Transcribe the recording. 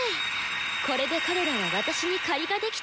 これで彼らは私に借りができたもの。